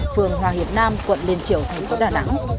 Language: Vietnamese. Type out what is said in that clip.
phường hòa hiệp nam quận liên triều thành phố đà nẵng